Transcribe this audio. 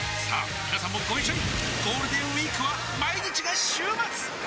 みなさんもご一緒にゴールデンウィークは毎日が週末！